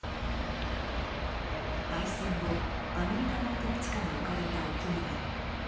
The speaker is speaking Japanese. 敗戦後、アメリカの統治下に置かれた沖縄。